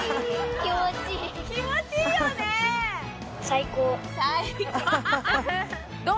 気持ちいいよねどう？